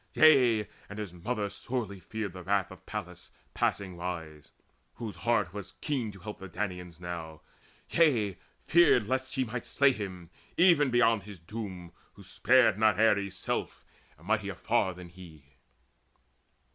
Yea, and his mother sorely feared the wrath Of Pallas passing wise, whose heart was keen To help the Danaans now yea, feared lest she Might slay him even beyond his doom, who spared Not Ares' self, a mightier far than he.